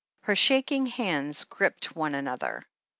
Her shaking hands gripped one an other.